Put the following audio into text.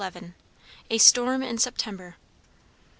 A STORM IN SEPTEMBER.